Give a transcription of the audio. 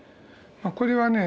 これはね